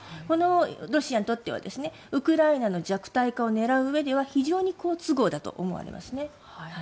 このロシアにとってはウクライナの弱体化を狙ううえでは非常に好都合だと思われます。